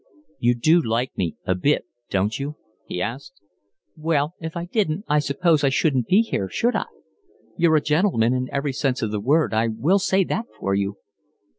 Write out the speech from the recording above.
"You do like me a bit, don't you?" he asked. "Well, if I didn't I suppose I shouldn't be here, should I? You're a gentleman in every sense of the word, I will say that for you."